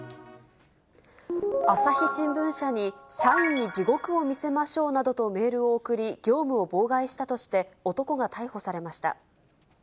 朝日新聞社に、社員に地獄を見せましょうなどとメールを送り、業務を妨害したとして男が逮捕されました。